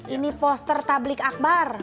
ini poster tablik akbar